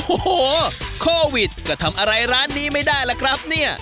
โอ้โหโควิดก็ทำอะไรร้านนี้ไม่ได้ล่ะครับเนี่ย